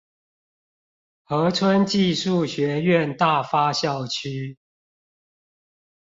和春技術學院大發校區